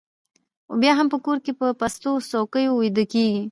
خو بیا هم په کور کې په پستو څوکیو ویده کېږي